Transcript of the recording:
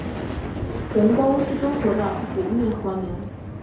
鸿沟是中国的古运河名。